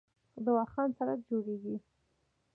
د واخان سړک جوړیږي